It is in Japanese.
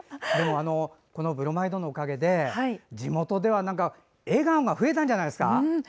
このブロマイドのおかげで地元では笑顔が増えたんじゃないですか。